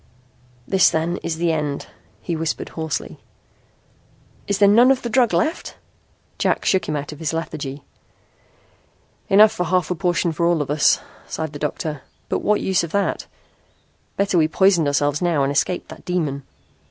"This then is the end," he whispered hoarsely. "Is there none of the drug left?" Jack shook him out of his lethargy. "Enough for a half portion for all of us," sighed the doctor. "But what use of that? Better we poisoned ourselves now and escaped that demon."